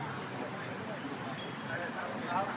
สวัสดีครับ